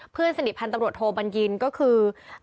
เพื่อนสนิทพันธมรวชโฮบันยินก็คือ